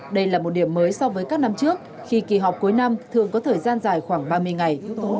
đây là một điểm mới so với các năm trước khi kỳ họp cuối năm thường có thời gian dài khoảng ba mươi ngày